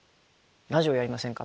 「ラジオやりませんか？」